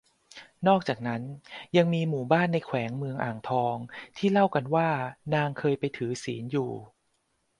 นอกจากนั้น ยังมีหมู่บ้านในแขวงเมืองอ่างทองที่เล่ากันว่านางเคยไปถือศีลอยู่